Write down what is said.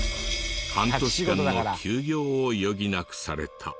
半年間の休業を余儀なくされた。